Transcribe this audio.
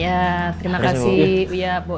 ya terima kasih uya boyin